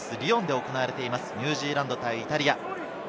フランス・リヨンで行われています、ニュージーランド対イタリア。